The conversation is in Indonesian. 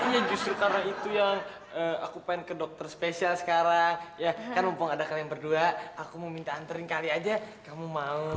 ya justru karena itu yang aku pengen ke dokter spesial sekarang ya kan mumpung ada kalian berdua aku mau minta anterin kalian aja kamu mau